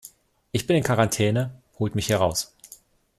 Ich bin in Quarantäne, holt mich hier raus!